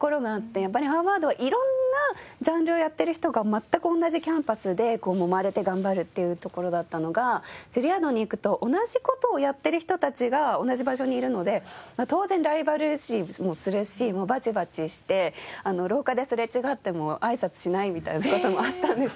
やっぱりハーバードはいろんなジャンルをやっている人が全く同じキャンパスでもまれて頑張るっていう所だったのがジュリアードに行くと同じ事をやっている人たちが同じ場所にいるので当然ライバル視もするしもうバチバチして廊下ですれ違ってもあいさつしないみたいな事もあったんですよ。